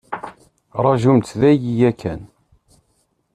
Ṛajumt daki yakan.